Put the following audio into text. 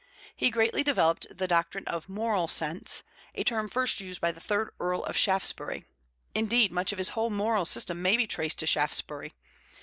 He greatly developed the doctrine of "moral sense", a term first used by the third Earl of Shaftesbury; indeed, much of his whole moral system may be traced to Shaftesbury.